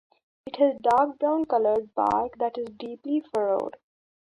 It has dark brown coloured bark that is deeply furrowed.